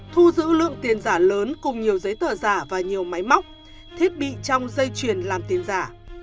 thu giữ lượng tiền giả lớn cùng nhiều giấy tờ giả và nhiều máy móc thiết bị trong dây chuyền làm tiền giả